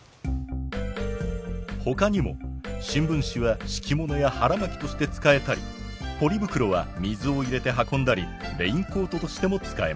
ほかにも新聞紙は敷物や腹巻きとして使えたりポリ袋は水を入れて運んだりレインコートとしても使えます。